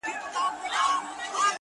مړ چي دي رقیب وینم، خوار چي محتسب وینم -